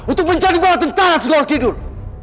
untuk menjadi bawa tentara segor kidul